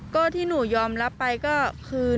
ก็ที่หนูยอมรับไปก็คือ